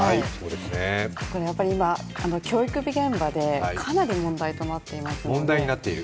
やっぱり今、教育現場でかなり問題となっています。